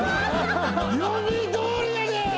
読みどおりやで！